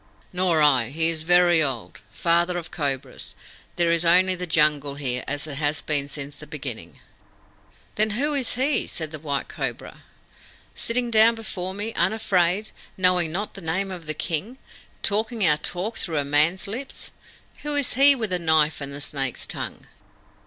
"Nor I. He is very old. Father of Cobras, there is only the Jungle here, as it has been since the beginning." "Then who is HE," said the White Cobra, "sitting down before me, unafraid, knowing not the name of the King, talking our talk through a man's lips? Who is he with the knife and the snake's tongue?"